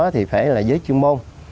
đó thì phải là giới chuyên môn